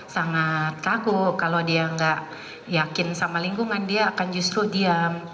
sangat takut kalau dia nggak yakin sama lingkungan dia akan justru diam